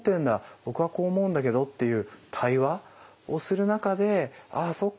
僕はこう思うんだけど」っていう対話をする中で「ああそっか。